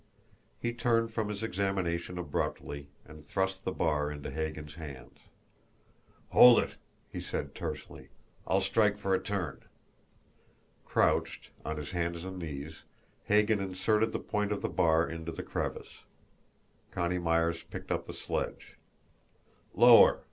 He turned from his examination abruptly, and thrust the bar into Hagan's hands. "Hold it!" he said tersely. "I'll strike for a turn." Crouched, on his hands and knees, Hagan inserted the point of the bar into the crevice. Connie Myers picked up the sledge. "Lower!